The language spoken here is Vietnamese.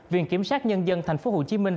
viện kiểm sát nhân dân thành phố hồ chí minh